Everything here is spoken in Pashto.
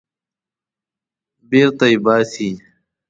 بېرته یې باسي.